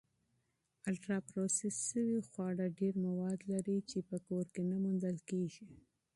الټرا پروسس شوي خواړه ډېری مواد لري چې په کور کې نه موندل کېږي.